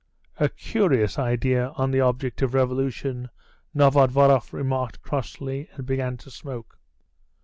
"A curious idea of the object of revolution," Novodvoroff remarked crossly, and began to smoke.